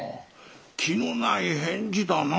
気のない返事だな。